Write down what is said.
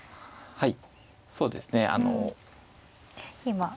はい。